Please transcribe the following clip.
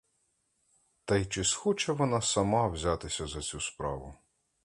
Та й чи схоче вона сама взятися за цю справу?